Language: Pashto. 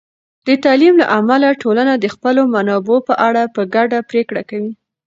د تعلیم له امله، ټولنه د خپلو منابعو په اړه په ګډه پرېکړه کوي.